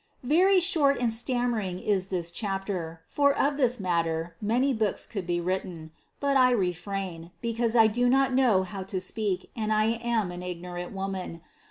51. Very short and stammering is this chapter, for of this matter many books could be written; but I refrain, because I do not know how to speak and I am an ig norant woman.